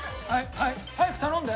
早く頼んで。